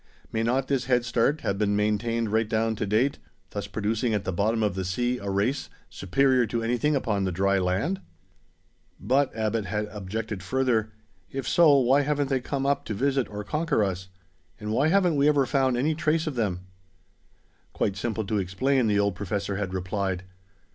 May not this head start have been maintained right down to date, thus producing at the bottom of the sea a race superior to anything upon the dry land?" "But," Abbot had objected further, "if so, why haven't they come up to visit or conquer us? And why haven't we ever found any trace of them?" "Quite simple to explain," the old professor had replied.